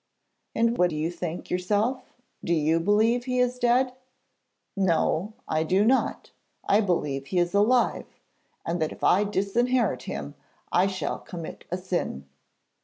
'And what do you think yourself? Do you believe he is dead?' 'No; I do not. I believe he is alive, and that if I disinherit him I shall commit a sin.'